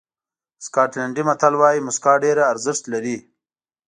سکاټلېنډي متل وایي موسکا ډېره ارزښت لري.